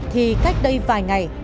thì cách đây vài ngày